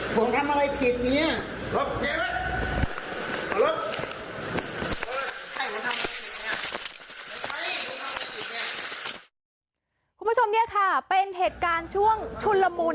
คุณผู้ชมเนี่ยค่ะเป็นเหตุการณ์ช่วงชุนละมุน